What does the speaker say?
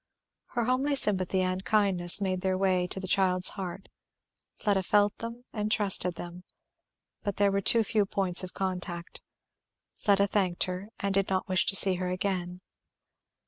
Her homely sympathy and kindness made their way to the child's heart; Fleda felt them and trusted them. But there were too few points of contact. Fleda thanked her, and did not wish to see her again.